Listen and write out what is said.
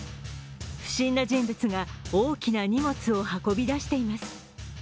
不審な人物が、大きな荷物を運び出しています。